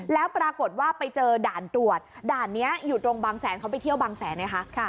แล้วปรากฏว่าไปเจอด่านตรวจด่านนี้อยู่ตรงบางแสนเขาไปเที่ยวบางแสนไงคะ